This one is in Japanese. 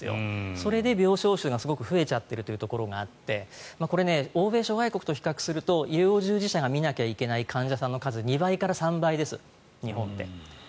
それで病床数がすごく増えちゃっているところがあってこれ、欧米諸外国と比較すると医療従事者が診ないといけない患者さんが２倍から３倍です、日本って。